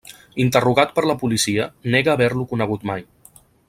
Interrogat per la policia, nega haver-lo conegut mai.